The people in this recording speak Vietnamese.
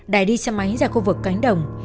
đại đi xe máy ra khu vực cánh đồng